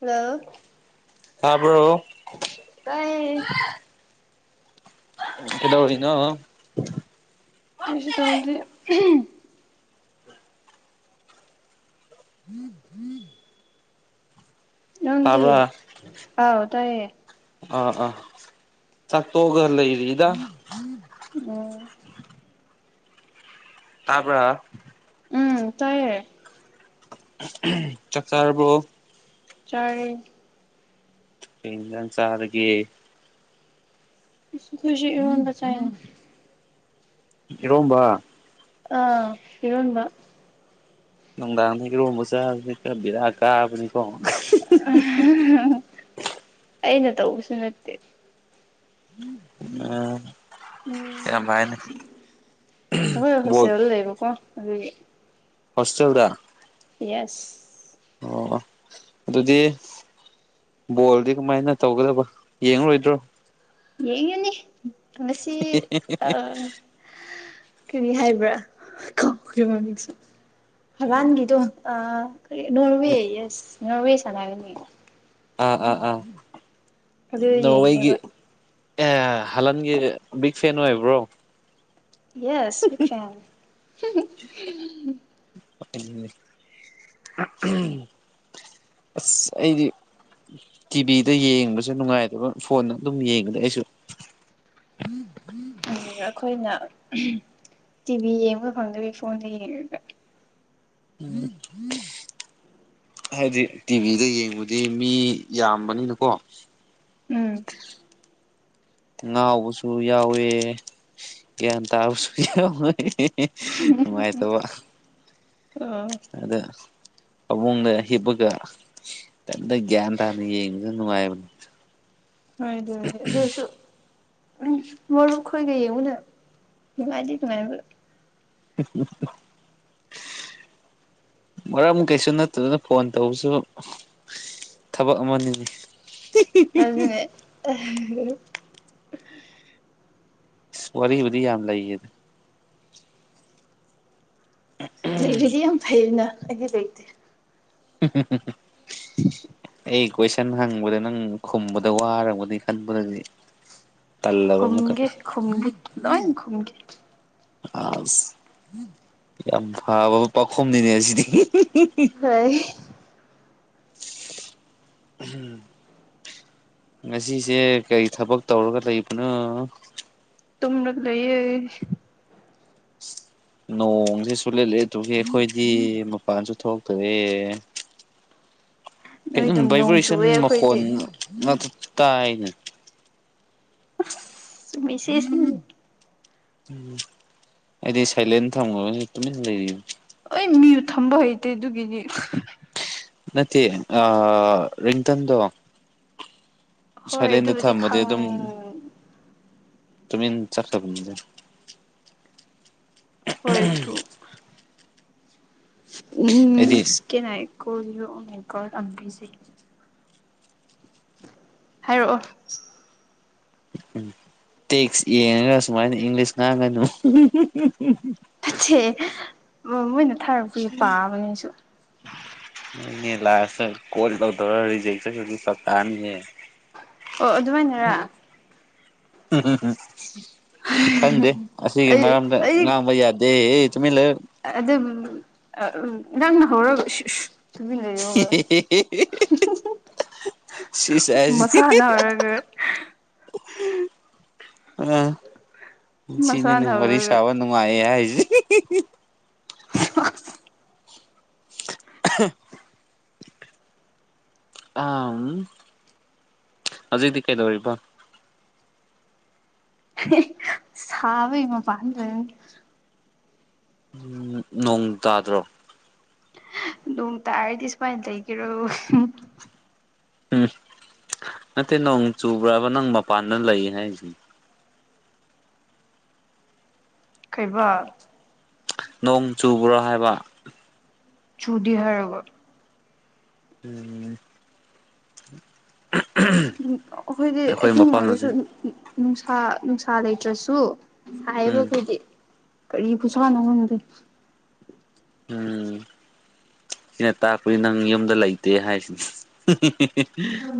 ꯍꯂ ꯍꯥꯥꯕ꯭ꯔꯣ ꯇꯥꯏ ꯍꯂꯅꯣ ꯀꯁꯨ ꯇꯧꯗꯦ ꯎꯝ ꯍꯝ ꯍꯗꯤ ꯇꯥꯕ꯭ꯔꯥ ꯑꯣ ꯇꯌꯦ ꯑꯥ ꯑꯥ ꯆꯥꯛ ꯇꯣꯒ ꯂꯩ ꯔꯔꯤꯗ ꯎꯝ ꯇꯥꯕ ꯎꯝ ꯇꯥꯏꯔꯦ ꯆꯥꯛ ꯆꯥꯔꯔꯕꯣ ꯆꯔ ꯏ ꯁꯥꯔꯒꯦ ꯈꯁꯤ ꯏꯗ ꯆꯅ ꯔꯣꯝꯕ ꯑꯥ ꯏꯔꯣꯟꯕ ꯅꯪꯗꯥꯅꯤ ꯔꯣꯝꯕ ꯆ ꯀꯕꯤꯔ ꯀꯥꯕꯅꯤꯀꯣ ꯑꯩꯅ ꯇꯧꯕꯁꯨ ꯅꯠꯇꯦ ꯎꯝ ꯎꯝ ꯀꯔꯚꯥꯏꯅꯣꯜ ꯑ ꯍꯣꯁꯇꯦꯜꯗ ꯌꯦꯁ ꯑꯣ ꯑꯗꯨꯗꯤ ꯕꯣꯜꯗꯤ ꯀꯃꯥꯏꯅ ꯇꯧꯒꯗꯕ ꯌꯦꯡꯉꯔꯣꯏꯗ꯭ꯔꯣ ꯌꯦꯡꯨꯅꯤ ꯃꯁꯤꯁꯤ ꯑ ꯀꯔꯤ ꯍꯥꯏꯕ꯭ꯔꯥꯃꯤꯡ ꯍꯕꯥꯟꯒꯤꯗꯣ ꯅꯣꯔꯋꯦ ꯌꯦꯁ ꯅꯣꯔꯋꯦ ꯆꯅꯒꯅꯤ ꯑꯥ ꯑꯥ ꯑꯥ ꯑꯗꯨ ꯅꯣꯒꯤ ꯌꯦꯡꯅꯦꯕ ꯑꯦ ꯍꯂꯟꯒꯤ ꯕꯤꯛ ꯐꯦꯟ ꯑꯣꯏꯕ꯭ꯔꯣ ꯌꯦꯁ ꯈꯌꯥꯝ ꯑꯁ ꯑꯩꯗꯤ ꯇꯤꯚꯤꯗ ꯌꯦꯡꯕꯁꯨ ꯅꯨꯡꯉꯥꯏꯗꯕ ꯐꯣꯟꯅ ꯑꯗꯨꯝ ꯌꯦꯡꯕꯗ ꯑꯩꯁꯨ ꯎꯝ ꯑꯩꯈꯣꯏꯅ ꯇꯤꯕꯤ ꯌꯦꯉ ꯍꯪꯦ ꯐꯣꯟ ꯂ ꯌꯦꯒ ꯎꯝ ꯍꯥꯏꯗꯤ ꯇꯤꯚꯤꯗ ꯌꯦꯡꯕꯗꯤ ꯃꯤ ꯌꯥꯝꯕꯅꯤꯅꯀꯣ ꯎꯝ ꯉꯥꯎꯕꯁꯨ ꯌꯥꯎꯋꯦ ꯒ꯭ꯌꯥꯟ ꯇꯥꯕꯁꯨ ꯌꯥꯎꯋꯦ ꯅꯨꯡꯉꯥꯏꯇꯧꯕ ꯑꯥ ꯑꯗ ꯐꯕꯨꯡꯗ ꯍꯤꯞꯄꯒ ꯀꯝꯇ ꯒ꯭ꯌꯥꯟ ꯇꯥꯅ ꯌꯦꯡꯕꯗ ꯅꯨꯡꯉꯥꯏꯕꯅꯤ ꯍꯥꯏꯗꯗꯦ ꯖꯣꯁꯨ ꯎ ꯃꯔꯨꯞ ꯈꯣꯏꯒ ꯌꯦꯡꯉꯨꯅ ꯅꯨꯡꯉꯥꯏꯗꯤꯦ ꯀꯃꯥꯏ ꯎ ꯃꯔꯝꯛ ꯀꯩꯁꯨ ꯅꯠꯇꯗꯅ ꯐꯣꯟ ꯇꯧꯕꯁꯨ ꯊꯕꯛ ꯑꯃꯅꯤꯅꯤ ꯑꯗꯨꯅꯦ ꯁ ꯋꯥꯔꯤꯔꯤꯕꯤ ꯌꯥꯝꯝ ꯂꯩꯥꯛꯦ ꯑꯗꯨ ꯂꯩꯕꯗꯤ ꯌꯥꯝ ꯐꯩꯅ ꯑꯩꯗꯤ ꯂꯩꯇꯦ [unintelligible] [inaudible] ꯑꯩ ꯀꯣꯏꯁꯟ ꯍꯪꯕꯗ ꯅꯪ ꯈꯨꯝꯕꯗ ꯋꯥꯔꯕꯗꯤ ꯈꯟꯕꯗꯗꯤ ꯇꯜꯂꯕ ꯑꯃꯨꯛꯀ ꯈꯨꯝꯒꯦ ꯈꯨꯝꯒꯦ ꯅꯣꯏ ꯈꯨꯝꯒꯦ ꯑ ꯎꯝ ꯌꯥꯝ ꯐꯕ ꯄꯥꯈꯨꯝꯅꯤꯅꯦ ꯑꯁꯤꯗꯤ ꯍ ꯎꯝ ꯉꯁꯤꯁꯦ ꯀꯔꯤ ꯊꯕꯛ ꯇꯧꯔꯒ ꯂꯩꯕꯅꯣ ꯇꯂ ꯂꯩꯌꯦꯦ ꯅꯣꯡꯁꯦ ꯁꯨꯂꯦꯠꯂꯦ ꯑꯗꯨꯒꯤ ꯑꯩꯈꯣꯏꯗꯤ ꯃꯄꯥꯟꯁꯨ ꯊꯣꯛ ꯇꯔꯦ ꯀꯝ ꯅꯣꯏ ꯑꯗꯨꯝ ꯅꯣꯡ ꯚꯥꯏꯕ꯭ꯔꯦꯁꯟ ꯆꯨꯑꯦ ꯑꯩꯈꯣꯏꯗꯤ ꯃꯈꯣꯟ ꯉꯥꯛꯇ ꯇꯥꯏꯅ ꯃꯦꯁꯦꯁꯅꯦ ꯎꯝ ꯑꯩꯗꯤ ꯁꯥꯏꯂꯦꯟ ꯊꯝꯈꯕꯅꯤ ꯇꯨꯃꯤꯟꯅ ꯂꯩꯔꯤ ꯍ ꯃꯤ ꯊꯝꯕ ꯍꯩꯇꯦ ꯑꯗꯨꯒꯤꯅꯤ ꯅꯠꯇꯦ ꯔꯤꯟꯇꯟꯗꯣ ꯍꯣꯏ ꯁꯥꯏꯂꯦꯟꯗ ꯑꯗꯨꯕꯨꯗꯤ ꯊꯝꯕꯗꯤ ꯈꯪ ꯑꯗꯨꯝ ꯇꯃꯤ ꯆꯠ ꯇ ꯀꯦ ꯍꯣꯏ ꯇꯣ ꯎꯝ ꯑꯩꯗꯤ ꯀ ꯀꯣꯀ ꯑꯁ ꯍꯥꯏꯔꯛꯑꯣ ꯎꯝ ꯇꯦꯛꯁ ꯌꯦꯡꯉꯒ ꯁꯨꯃꯥꯏꯅ ꯏꯪꯂꯤꯁ ꯉꯥꯡꯒꯅꯨ ꯃꯣꯏꯅ ꯊꯥꯔꯛꯄꯒꯤ ꯄꯥꯕꯅꯤꯁꯨ ꯍꯣꯏꯅꯦ ꯂꯥꯁꯇ ꯀꯣꯜ ꯇꯧꯗꯧꯔ ꯔꯤꯖꯦꯛꯁ ꯆꯠꯇꯥꯥꯅꯤꯌꯦ ꯑꯣ ꯑꯗꯨꯃꯥꯏꯅꯔ [unintelligible] ꯈꯪꯗꯦ ꯑꯁꯤꯒꯤ ꯑꯩ ꯃꯔꯝꯗ ꯉꯥꯡꯕ ꯌꯥꯗꯦ ꯆꯨꯃꯤꯟꯂ ꯑꯗ ꯑ ꯅꯪ ꯍꯔꯒ ꯂꯩꯕ ꯂꯩꯌꯨ ꯁꯤꯁꯥꯁꯤ ꯑ ꯁꯤꯅꯤꯅꯦ ꯃꯁꯥꯅ ꯋꯥꯔꯤ ꯍꯧꯔꯒ ꯁꯥꯕ ꯅꯨꯡꯉꯥꯏꯌꯦ ꯍꯥꯏ [unintelligible] [unintelligible] [unintelligible] ꯑ ꯍꯧꯖꯤꯛꯗꯤ ꯀꯩꯗꯧꯔꯤꯕ ꯁꯥꯕꯒꯤ ꯃꯄꯥꯟꯗ ꯂꯩꯕꯅꯦ ꯎꯝ ꯅꯣꯡ ꯇꯥꯗ꯭ꯔꯣ ꯅꯨꯡ ꯇꯥꯔꯗꯤ ꯁꯨꯃꯥꯏꯅ ꯂꯩꯒꯦꯔꯣ ꯎꯝ ꯅꯠꯇꯦ ꯅꯣꯡ ꯆꯨꯕ꯭ꯔꯕ ꯅꯪ ꯃꯄꯥꯟꯗ ꯂꯩ ꯍꯥꯏꯁꯤꯦ ꯀꯩꯕ ꯅꯣꯡ ꯆꯨꯕ꯭ꯔꯣ ꯍꯥꯏꯕꯟ ꯆꯨꯗꯤ ꯍꯔꯒ ꯎꯝ ꯑꯩꯈꯣꯏꯗꯤ ꯑꯩꯈꯣꯏ ꯑꯍꯤꯡ ꯑꯣꯏꯔꯁꯨ ꯃꯐꯝꯗꯗꯤ ꯅꯨꯡꯁꯥ ꯅꯨꯡꯁꯥ ꯂꯩꯇ꯭ꯔꯁꯨ ꯁꯥꯏꯕ ꯎꯝ ꯑꯩꯈꯣꯏꯗꯤ ꯀꯔꯤ ꯈꯨꯁꯥꯅꯣ ꯈꯪꯗꯦ ꯎꯝ ꯁꯤꯅ ꯇꯥꯛꯄꯗꯤ ꯅꯪ ꯌꯨꯝꯗ ꯂꯩꯇꯦ ꯍꯥꯏꯁꯤꯅꯤ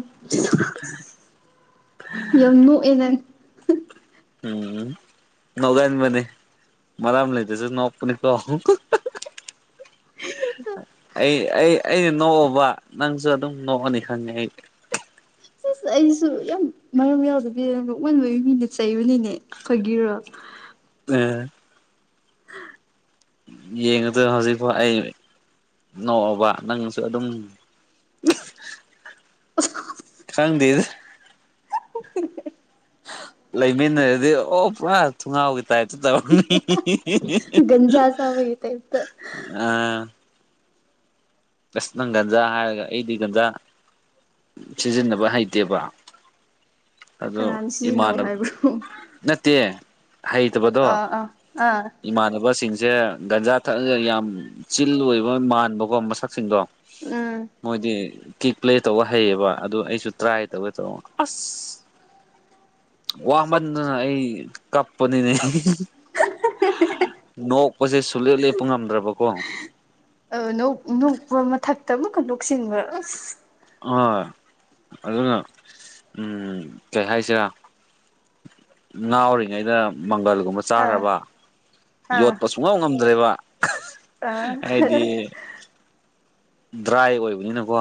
[unintelligible] [unintelligible] ꯌꯝ ꯅꯣꯛꯑꯦ ꯅꯪ ꯎꯝ ꯅꯒꯥꯏꯅꯤ ꯃꯅꯦ ꯃꯂ ꯑꯃ ꯂꯩꯇꯆ ꯅꯀꯅꯤ ꯀ ꯑꯩ ꯑꯩ ꯑꯩꯅ ꯅꯣꯛꯑꯕ ꯅꯪꯁꯨ ꯑꯗꯨꯝ ꯅꯣꯛꯑꯅꯤ ꯈꯪꯉꯦ ꯑꯩ ꯁꯤꯁ ꯑꯩꯁꯨ ꯌꯥꯝ ꯃꯔꯝ ꯌꯥꯎꯗꯕꯤ ꯅꯣꯛꯃꯟꯕꯒꯤ ꯃꯤꯅ ꯆꯩꯕꯅꯤꯅꯦ ꯐꯥꯒꯤꯔꯣ [unintelligible] ꯌꯦꯉꯗ ꯍꯧꯖꯤ ꯅꯣꯛꯕ ꯅꯪꯁꯨ ꯑꯗꯨꯝ [unintelligible] [unintelligible] ꯂꯩꯃꯤꯟꯅꯔꯗꯤ ꯑꯣ ꯄꯨꯔꯥ ꯊꯨꯡꯒꯥꯎꯒꯤ ꯇꯥꯏꯞꯇ ꯇꯧꯕꯅꯤ ꯒꯟꯖꯥꯥꯆꯥꯕꯒꯤ ꯇꯏꯠꯇꯥ ꯑꯥ ꯑꯁ ꯅꯪ ꯒꯟꯖꯥ ꯍꯥꯏꯔꯒ ꯑꯩꯗꯤ ꯒꯟꯖꯥ ꯁꯤꯖꯤꯟꯅꯕ ꯍꯩꯇꯦꯕꯥ ꯑꯗꯨ ꯀꯅꯥꯅ ꯏꯃꯥꯥꯟ ꯁꯤꯖꯤꯟꯅꯧ ꯍꯥꯏꯕ꯭ꯔꯣ ꯅꯠꯇꯦ ꯍꯩꯇꯕꯗꯣ ꯑꯥ ꯑꯥ ꯑꯥ ꯏꯃꯥꯟꯅꯕꯁꯤꯡꯁꯨ ꯁꯦ ꯒꯟꯖꯥ ꯊꯛꯂꯒ ꯌꯥꯝ ꯆꯤꯜ ꯑꯣꯏꯕ ꯃꯥꯟꯕꯀꯣ ꯃꯁꯛꯁꯤꯡꯗꯨ ꯎꯝ ꯃꯣꯏꯗꯤ ꯀꯦꯛ ꯄ꯭ꯂꯦ ꯇꯧꯕ ꯍꯩꯌꯦꯕ ꯑꯗꯨ ꯑꯩꯁꯨ ꯇ꯭ꯔꯥꯏ ꯇꯧꯒꯩ ꯇꯧꯅꯩ ꯑꯁ ꯋꯥꯃꯟꯗꯅ ꯑꯩ ꯀꯞꯄꯅꯤꯅꯦ ꯅꯣꯛꯄꯁꯨ ꯁꯨꯡꯂꯦꯞ ꯂꯦꯞꯄ ꯉꯝꯗ꯭ꯔꯕꯀꯣ ꯑ ꯅꯣꯛꯄ ꯃꯊꯛꯇ ꯑꯃꯨꯛꯀ ꯅꯣꯛꯁꯤꯟꯕ‌ ꯑꯁ ꯑ ꯑꯗꯨꯅ ꯀꯩ ꯍꯥꯏꯁꯤꯔꯥꯅꯩ ꯉꯎꯔꯤꯉꯩꯗ ꯃꯪꯒꯜꯒꯨꯝꯕ ꯑꯥ ꯆꯥꯅꯕ ꯑꯥ ꯌꯣꯠꯄ ꯁꯨꯡꯉꯝ ꯉꯝꯗ꯭ꯔꯦꯕꯥ ꯑꯥ ꯍꯥ ꯍꯥ ꯗ꯭ꯔꯥꯏ ꯑꯣꯏꯕꯅꯤꯅ ꯀꯣ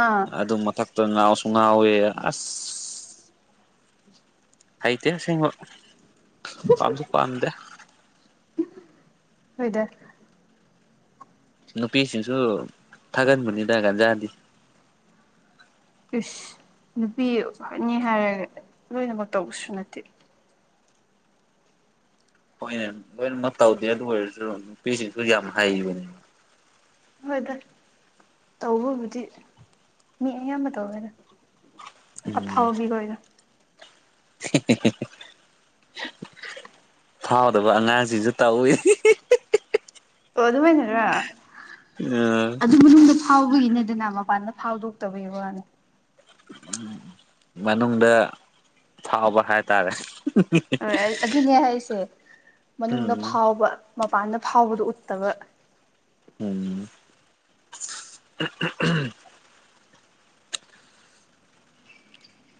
ꯑꯥ ꯑꯗꯨ ꯃꯊꯛꯇ ꯉꯥꯎꯁꯨ ꯉꯥꯎꯏ ꯑꯁ ꯍꯩꯇꯦ ꯑꯁꯦꯡꯕ ꯄꯥꯝꯁꯨ ꯄꯥꯝꯗꯦ ꯑꯥꯁ ꯍꯣꯏꯗꯥ ꯑꯗꯨꯅꯩ ꯅꯨꯄꯤꯁꯤꯡꯁꯨ ꯊꯥꯒꯟꯕꯅꯤꯅ ꯀꯥꯟꯖꯥꯗꯤ ꫪꯩꯏꯅ ꯏꯁ ꯅꯨꯄꯤꯅꯤ ꯍꯥꯏꯔꯒ ꯂꯣꯏꯅꯃꯛ ꯇꯧꯕꯁꯨ ꯅꯠꯇꯅꯥ ꯍꯣꯏꯅꯦ ꯂꯣꯏꯅꯃꯛ ꯇꯧꯗꯦ ꯑꯗꯨ ꯑꯣꯏꯔꯁꯨ ꯅꯨꯄꯤꯁꯤꯡꯁꯨ ꯌꯥꯝ ꯍꯩꯕꯅꯤꯗ ꯍꯣꯏꯗ ꯇꯧꯕꯕꯨꯗꯤ ꯃꯤ ꯑꯌꯥꯝꯕ ꯇꯧꯕꯅꯤꯗ ꯎꯝ ꯑꯐꯥꯎ ꯕꯤ ꯑꯣꯏꯅ [unintelligible] [inaudible] ꯐꯥꯎꯗꯕ ꯑꯉꯥꯡꯁꯤꯁꯨ ꯇꯧꯏꯗ ꯑꯣ ꯑꯗꯨꯃꯥꯏꯅꯔ ꯎꯝ ꯑꯗꯨ ꯃꯅꯨꯡꯗ ꯐꯥꯎꯕꯒꯤ ꯅꯦꯗꯅ ꯃꯄꯥꯟꯗꯁꯨ ꯐꯥꯎꯗꯣꯛꯇꯕꯒꯤ ꯋꯥꯅꯤ ꯅꯩ ꯑꯎꯝ ꯃꯅꯨꯡꯗꯗ ꯐꯥꯎꯕ ꯍꯥꯏꯇꯥꯔꯦ ꯗꯅ ꯍꯣꯏ ꯑꯗꯨꯅꯦ ꯍꯥꯏꯁꯦ ꯃꯅꯨꯡꯗ ꯐꯥꯎꯕ ꯃꯄꯥꯟꯗ ꯐꯥꯎꯕꯗꯨ ꯎꯠꯇꯕꯅꯤ ꯎꯝ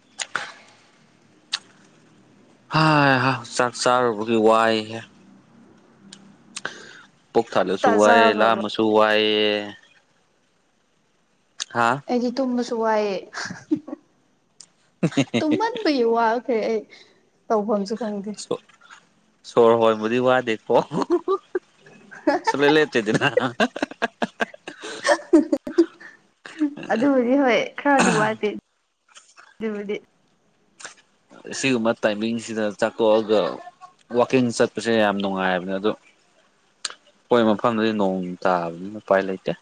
[unintelligible] [inaudible] ꯍꯥ ꯍꯥ ꯆꯥꯛ ꯆꯔꯨꯕꯒꯤ ꯋꯥꯏꯅꯩ ꯄꯨꯛ ꯇꯞ ꯇꯥ ꯊꯥꯂꯁꯨꯨꯏ ꯆꯥꯕ꯭ꯔꯕ ꯂꯃꯁꯨꯨꯋꯥꯌꯦ ꯍꯥ ꯑꯩꯗꯤ ꯇꯨꯝꯕꯁꯨ ꯋꯥꯏꯑꯦ ꯇꯨꯝꯍꯟꯕꯌ ꯋꯥꯅꯤ ꯑꯩ ꯇꯐꯝꯝꯁꯨ ꯈꯪꯗꯦ ꯗꯥ ꯁꯣꯔ ꯍꯣꯏꯕꯨꯗꯤ ꯋꯥꯗꯦꯀꯣ ꯁꯨꯡ ꯂꯦꯞꯇꯤ ꯂꯩꯞꯇꯗꯅ ꯑꯗꯨꯕꯨꯗꯤ ꯍꯣꯏ ꯈꯔ ꯗꯤ ꯋꯥꯗꯦ ꯑꯗꯨꯅ ꯑꯗꯨꯗꯤ ꯅꯤ ꯁꯤꯗ ꯆꯥꯛꯇꯛꯑꯒ ꯋꯥꯛꯀꯤꯡ ꯆꯠꯄꯁꯦ ꯌꯥꯝ ꯅꯨꯡꯉꯥꯏꯕꯅꯦ ꯑꯗꯣ ꯑꯩꯈꯣꯏ ꯃꯐꯝꯗꯗꯤ ꯅꯣꯡ ꯇꯥꯕꯅꯤ ꯎꯄꯥꯏ ꯂꯩꯇꯦ ꯗ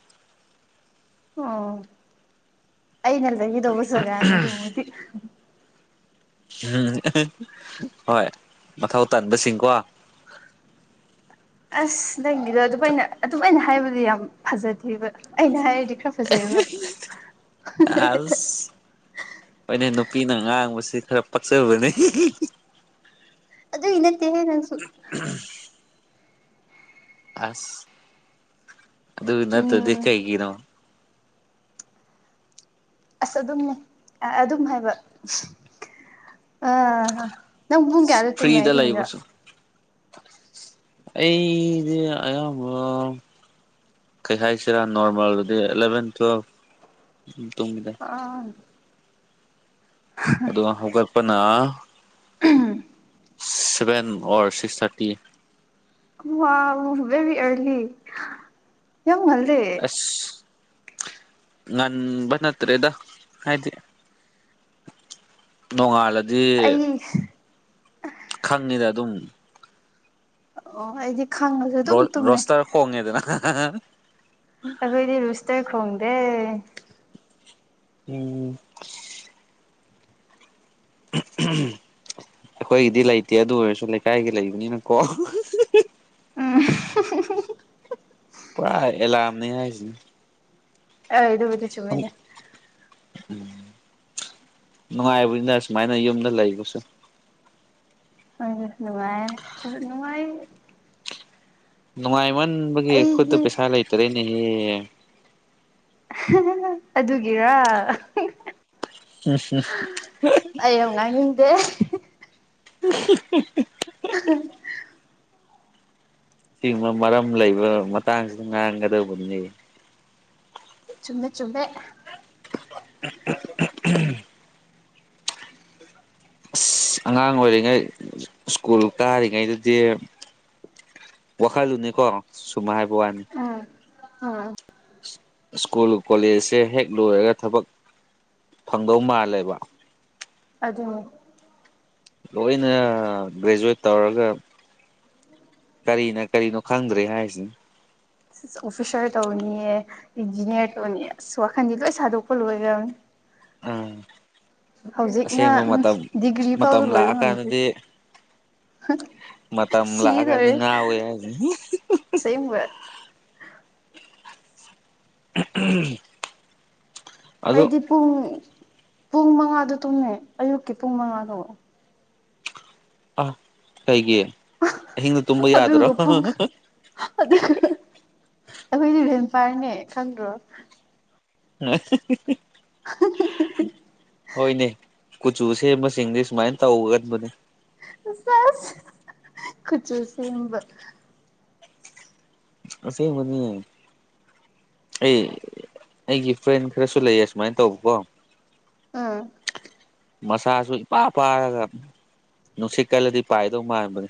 ꯑꯣ ꯑꯅꯥ ꯆꯪꯗꯒꯤ ꯇꯧꯕꯁꯒꯅꯤ ꯖꯥꯒꯗꯤ ꯎꯝ ꯍꯣꯏ ꯃꯊꯧ ꯇꯟꯥꯕꯥ ꯁꯤꯡ ꯀꯣ ꯑꯁ ꯅꯪꯒꯤꯗꯣ ꯑꯗꯨꯝꯃꯥꯏ ꯑꯗꯨꯝꯃꯥꯏꯅ ꯍꯥꯏꯕꯗꯤ ꯌꯥꯝ ꯐꯖꯗꯦ ꯑꯩꯅ ꯍꯥꯏꯔꯗꯤ ꯈꯔ ꯐꯖꯩꯌꯦꯕꯥ ꯅꯥ ꯍꯣꯅꯩ ꯅꯨꯄꯤꯅ ꯉꯥꯡꯕꯁꯤ ꯈꯔ ꯄꯛꯆꯕꯅꯤ ꯑꯗꯨꯒꯤ ꯏꯅꯠꯇꯦ ꯅꯪꯁꯨ ꯑꯁ ꯑꯗꯨ ꯅꯠꯇ ꯎꯝ ꯀꯥꯔꯤꯒꯤꯅꯣ ꯑꯁ ꯑꯗꯨꯝ ꯑꯗꯨꯝ ꯍꯥꯏꯕ ꯑ ꯅꯪ ꯄꯨꯡ ꯀꯌꯥꯗ ꯇꯨꯝꯃꯦ ꯐ꯭ꯔꯤꯗ ꯍꯤꯡꯗ ꯂꯩꯕꯁꯨ ꯑꯩꯗꯤ ꯑꯌꯥꯝꯕ ꯀꯩ ꯍꯥꯏꯁꯤꯔꯥ ꯅꯣꯔꯃꯦꯜꯗꯨꯗꯤ ꯑꯦꯂꯚꯦꯟ ꯇꯨꯋꯦꯜ ꯎ ꯑꯥ ꯑꯣ ꯍꯧꯒꯜꯄꯅ ꯁꯚꯦꯟ ꯑꯣꯔ ꯁꯤꯛꯁ ꯊꯥꯔꯇꯤ ꯋꯥ ꯎꯃꯦꯦꯕꯤ ꯑꯔꯂꯤ ꯌꯃ ꯃꯜꯗꯦ ꯉꯥꯟ ꯅꯠꯇ꯭ꯔꯦꯗ ꯍꯥꯏꯗꯤ ꯅꯣꯡꯉꯥꯂ ꯑꯩ ꯈꯪꯉꯤꯗ ꯑꯗꯨꯝ ꯑꯣ ꯑꯩꯗꯤ ꯈꯪꯉꯁꯨ ꯔ ꯑꯗꯨꯝ ꯇꯨꯝꯃꯦ ꯔꯁ ꯇꯥ ꯈꯣꯡꯉꯦꯗꯅ ꯑꯗꯨꯗꯗꯤ ꯁꯇꯦꯛ ꯍꯣꯡꯗꯦ ꯎꯝ ꯎꯝ ꯑꯩꯈꯣꯏꯒꯤꯗꯤ ꯂꯩꯇꯦ ꯑꯗꯨ ꯑꯣꯏꯔꯁꯨ ꯂꯩꯀꯥꯏꯒꯤ ꯂꯩꯕꯅꯤꯅꯀꯣ ꯄꯨꯔꯥ ꯑꯦꯂꯥꯔꯝꯅꯦ ꯍꯥꯏꯁꯤ ꯑ ꯏꯗꯕꯨꯗꯤ ꯆꯃꯤꯗ ꯎꯝ ꯅꯨꯡꯉꯥꯏꯕꯅꯤꯅ ꯁꯨꯃꯥꯏꯅ ꯌꯨꯝꯗ ꯂꯩꯕꯁꯨ ꯍ ꯅꯨꯅꯨꯡꯉꯥꯏ ꯅꯨꯡꯉꯥꯏ ꯅꯨꯡꯉꯥꯏꯃꯟꯕꯒꯤ ꯈꯨꯠꯇ ꯑꯩꯗꯤ ꯄꯩꯁꯥ ꯂꯩꯇꯔꯦꯅꯦꯍꯦ ꯑꯗꯨꯒꯔ ꯑꯩ ꯑꯃꯨ ꯉꯥꯡꯅꯤꯡꯗꯦ [unintelligible] [unintelligible] ꯑꯁꯤꯒꯕ ꯃꯔꯝ ꯂꯩꯕ ꯃꯇꯥꯡꯁꯤꯁꯨ ꯉꯥꯡꯒꯗꯧꯕꯅꯤ ꯆꯨꯝꯃꯦ ꯆꯨꯝꯃꯦ ꯎ ꯑꯁ ꯑꯉꯥꯡ ꯑꯣꯏꯔꯤꯉꯩ ꯁ꯭ꯀꯨꯜ ꯀꯥꯔꯤꯉꯩꯗꯗꯤ ꯋꯥꯈꯜꯗꯨꯅꯤꯀꯣ ꯁꯨꯃꯥꯏ ꯍꯥꯏꯕ ꯋꯥꯅꯤ ꯑꯥ ꯁ꯭ꯀꯨꯜ ꯀꯣꯂꯦꯖꯁꯦ ꯍꯦꯛ ꯂꯣꯏꯔꯒ ꯊꯕꯛ ꯐꯪꯗꯧ ꯃꯥꯜꯂꯦꯕ ꯑꯗꯨ ꯂꯣꯏꯅ ꯒ꯭ꯔꯦꯖꯨꯋꯦꯠ ꯇꯧꯔꯒ ꯀꯔꯤꯅ ꯀꯔꯤꯅꯣ ꯈꯪꯗ꯭ꯔꯦ ꯍꯥꯏꯁꯤ ꯑꯁ ꯑꯣꯐꯤꯁꯥꯔ ꯇꯧꯅꯤꯌꯦ ꯏꯟꯖꯤꯅꯤꯌꯥꯔ ꯇꯧꯅꯤ ꯑꯁ ꯋꯥꯈꯟꯗꯤ ꯂꯣꯏ ꯁꯥꯗꯣꯛꯄ ꯂꯣꯏꯔꯕꯅꯤ ꯎꯝ ꯑꯁꯦꯡꯕ ꯎꯝ ꯃꯇꯝ ꯗꯤꯒ꯭ꯔꯤ ꯃꯇꯝ ꯐꯥꯎꯁꯨ ꯂꯣꯏꯕ ꯉꯝꯗ꯭ꯔꯤ ꯂꯥꯛꯑꯀꯥꯟꯗꯗꯤ ꯃ ꯃꯇꯝ ꯂꯥꯛꯒꯅꯤ ꯁꯤꯗꯧꯔꯦ ꯉꯅꯥ ꯑꯣꯏ ꯌꯥ [unintelligible] ꯑꯁꯦꯡꯕ ꯎꯝ ꯑꯩꯗꯤ ꯄꯨꯡ ꯄꯨꯡ ꯃꯉꯥꯗ ꯇꯨꯝꯃꯦ ꯑꯌꯨꯛꯀꯤ ꯄꯨꯡ ꯃꯉꯥꯗꯣ ꯑ ꯀꯩꯒꯤꯌꯦ ꯍ ꯇꯨꯝꯕ ꯌꯥꯗ꯭ꯔꯣ ꯑꯗꯨꯒ ꯄꯨꯡ ꯑꯩꯈꯣꯏꯗꯤꯚꯦꯝꯄꯥꯔꯅꯦ ꯈꯪꯗ꯭ꯔꯣ ꯍꯣꯏꯅꯦ ꯀꯨꯆ ꯎꯁꯦꯁ ꯏꯪꯂꯤꯁꯨꯃꯥꯏꯅ ꯇꯧꯒ ꯃꯅꯦ ꯀꯆ ꯁꯦꯝꯕ ꯑꯁꯦꯕꯅꯤ ꯑꯩ ꯑꯩꯒꯤ ꯐ꯭ꯔꯦꯟ ꯈꯔꯁꯨ ꯂꯩꯌꯦ ꯁꯨꯃꯥꯏꯅ ꯇꯧꯕꯀꯣ ꯑꯥ ꯃꯁꯥꯁꯨ ꯏꯄꯥ ꯄꯥꯔꯒ ꯅꯨꯡꯁꯤꯠ ꯀꯜꯂꯗꯤ ꯄꯥꯏꯗꯧ ꯃꯥꯟꯕꯅꯤ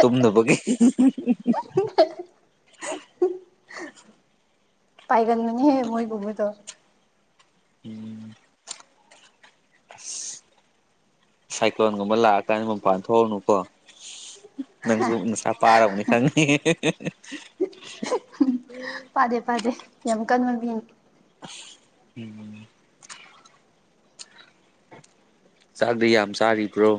ꯇꯨꯝꯗꯕꯒꯤ ꯄꯥꯏꯒꯦꯜ ꯃꯅꯤ ꯍꯦ ꯃꯣꯏ ꯀꯃ ꯇ ꯎꯝ ꯑꯁ ꯁꯥꯏꯀ꯭ꯂꯣꯟꯒꯨꯝꯕ ꯂꯥꯛꯑꯀꯥꯟꯗ ꯃꯄꯥꯟ ꯊꯣꯛꯎꯅꯨꯀꯣ ꯅꯪꯁꯨ ꯅꯨꯡꯁꯥ ꯄꯥꯔꯕꯅꯤ ꯈꯪꯅꯤ ꯄꯥꯗꯦ ꯄꯥꯗꯦ ꯌꯥꯝ ꯀꯟꯕ ꯃꯤꯡ ꯎꯝ ꯆꯥꯛꯗꯤ ꯌꯥꯝ ꯆꯥꯔꯤꯕ꯭ꯔꯣ